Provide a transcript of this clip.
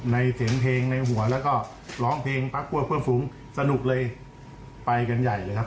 เสียงเพลงในหัวแล้วก็ร้องเพลงพักพวกเพื่อฝูงสนุกเลยไปกันใหญ่เลยครับ